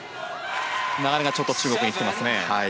流れがちょっと、中国に来ていますね。